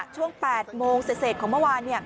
ช่วง๘โมงเศษของเมื่อวาน